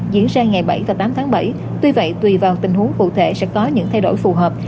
diễn ra ngày bảy và tám tháng bảy tuy vậy tùy vào tình huống cụ thể sẽ có những thay đổi phù hợp